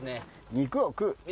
「肉を食う」